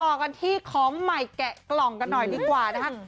ต่อกันที่ของใหม่แกะกล่องกันหน่อยดีกว่านะคะ